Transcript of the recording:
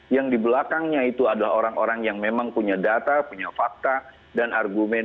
yang di belakangnya itu adalah orang orang yang memang punya data punya fakta dan argumen